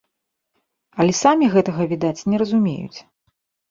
Але самі гэтага, відаць, не разумеюць.